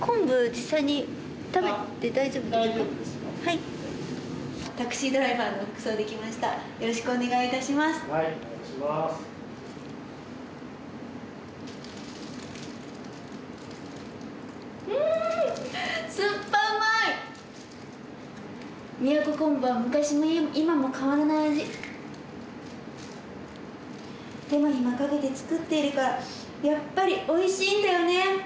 手間暇かけて作っているからやっぱりおいしいんだよね。